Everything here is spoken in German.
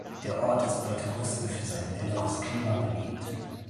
Der Ort ist bei Touristen für sein milderes Klima beliebt.